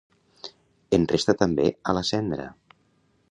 En resta també a la cendra.